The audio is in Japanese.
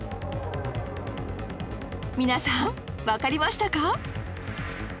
皆さんわかりましたか？